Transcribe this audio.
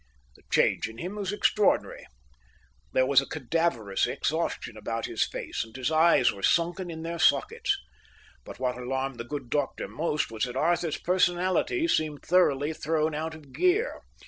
The change in him was extraordinary; there was a cadaverous exhaustion about his face, and his eyes were sunken in their sockets. But what alarmed the good doctor most was that Arthur's personality seemed thoroughly thrown out of gear.